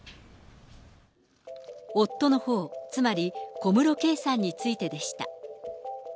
夫のほう、つまり小室圭さんについてでした。